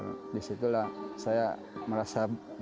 habis di situ lah saya merasa baru menikah